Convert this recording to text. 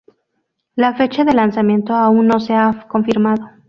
La fecha de lanzamiento aún no se ha confirmado.